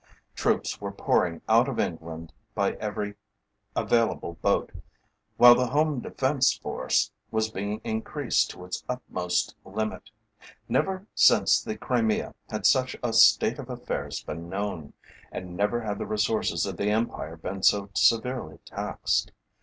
Troops were pouring out of England by every available boat, while the Home Defence Force was being increased to its utmost limit. Never since the Crimea had such a state of affairs been known, and never had the resources of the Empire been so severely taxed.